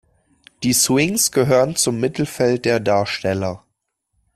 Die Swings gehören zum Mittelfeld der Darsteller.